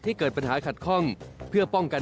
เกิดปัญหาขัดข้องเพื่อป้องกัน